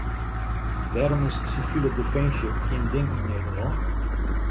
Wêrom is sivile definsje gjin ding yn Nederlân?